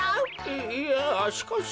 いいやしかし。